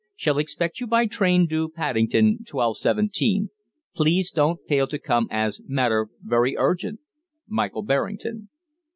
Shall expect you by train due Paddington 12:17. Please don't fail to come as matter very urgent. "MICHAEL BERRINGTON."